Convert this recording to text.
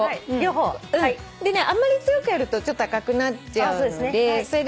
あんまり強くやるとちょっと赤くなっちゃうんで。